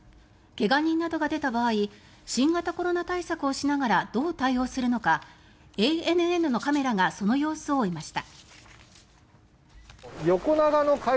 怪我人などが出た場合新型コロナ対策をしながらどう対応するのかＡＮＮのカメラがその様子を追いました。